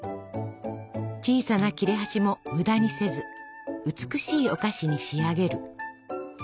小さな切れ端も無駄にせず美しいお菓子に仕上げる。